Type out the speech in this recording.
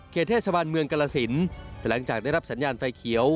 เขตเทศวรรณเมืองกรสินแต่หลังจากได้รับสัญญาณไฟเขียว